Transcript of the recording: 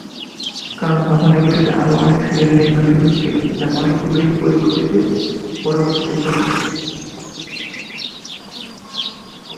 কারণ তখন একই সাথে আরও অনেক সিরিয়ালের নির্মাণ শুরু হচ্ছিল যার অনেকগুলোই পরবর্তিতে খুব একটি টিকে যেতে পারেনি।